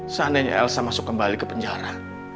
seandainya elsa masuk kembali ke penjara